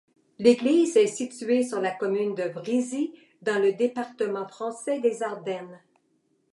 L'église est située sur la commune de Vrizy, dans le département français des Ardennes.